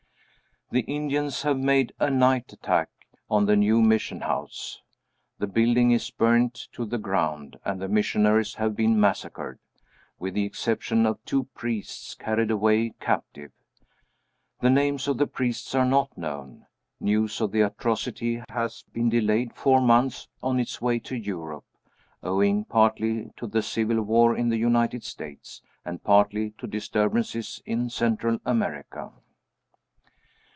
The Indians have made a night attack on the new mission house. The building is burned to the ground, and the missionaries have been massacred with the exception of two priests, carried away captive. The names of the priests are not known. News of the atrocity has been delayed four months on its way to Europe, owing partly to the civil war in the United States, and partly to disturbances in Central America.